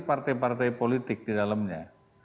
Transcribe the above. partai partai politik di dalamnya